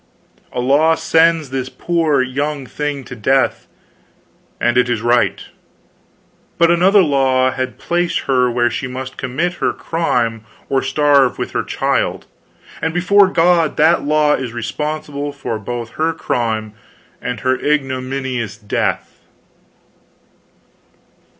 A law sends this poor young thing to death and it is right. But another law had placed her where she must commit her crime or starve with her child and before God that law is responsible for both her crime and her ignominious death!